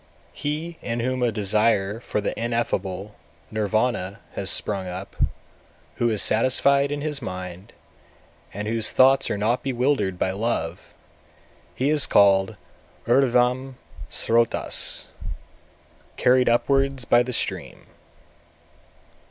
218. He in whom a desire for the Ineffable (Nirvana) has sprung up, who is satisfied in his mind, and whose thoughts are not bewildered by love, he is called urdhvamsrotas (carried upwards by the stream).